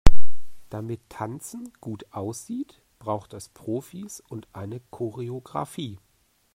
Damit Tanzen gut aussieht, braucht es Profis und eine Choreografie.